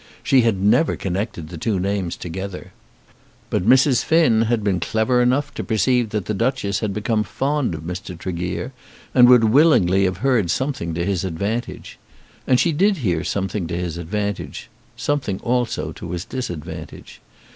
She had never connected the two names together. But Mrs. Finn had been clever enough to perceive that the Duchess had become fond of Mr. Tregear, and would willingly have heard something to his advantage. And she did hear something to his advantage, something also to his disadvantage.